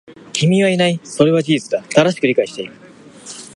君はいない。それは事実だ。正しく理解している。